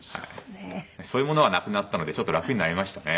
そういうものはなくなったのでちょっと楽になりましたね。